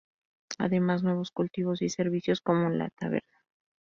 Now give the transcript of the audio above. Además, nuevos cultivos y servicios como la taberna.